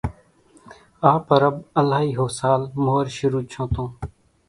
آ پرٻ الائي ۿو سال مور شرو ڇون تون